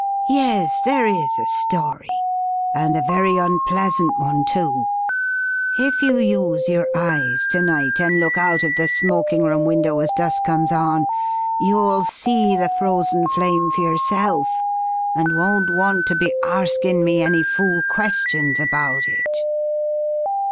"Yes, there is a story and a very unpleasant one, too. If you use your eyes to night and look out of the smoking room window as dusk comes on, you'll see the Frozen Flame for yerself, and won't want to be arskin' me any fool questions about it.